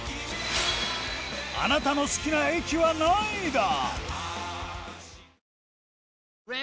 あなたの好きな駅は何位だ？